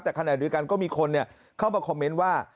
แต่ขณะเดียวกันก็มีคนเข้ามาคอมเมนต์ว่า